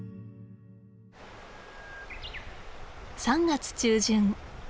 ３月中旬。